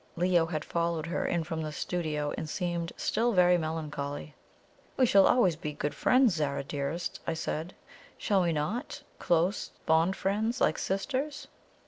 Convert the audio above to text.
Leo had followed her in from the studio, and seemed still very melancholy. "We shall always be good friends, Zara dearest," I said, "shall we not? Close, fond friends, like sisters?"